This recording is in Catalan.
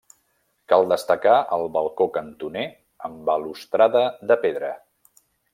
Cal destacar el balcó cantoner amb balustrada de pedra.